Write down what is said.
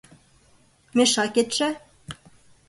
— Мешакетше?..